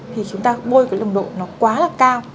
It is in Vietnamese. thì chúng ta bôi cái nồng độ nó quá là cao